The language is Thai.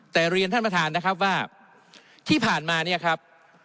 แต่เรียนท่านประธานนะครับว่าที่ผ่านมาเนี่ยครับ